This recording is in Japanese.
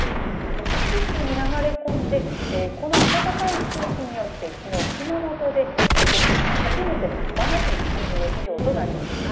そして九州に流れ込んでこの暖かい空気によってきのう熊本で全国で初めての真夏日３０度以上となりました。